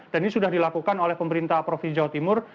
dan ini sudah dilakukan oleh pemerintah provinsi jawa timur